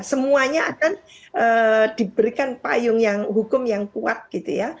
semuanya akan diberikan payung yang hukum yang kuat gitu ya